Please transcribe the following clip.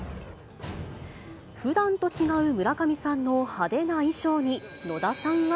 ふだんと違う村上さんの派手な衣装に、野田さんは。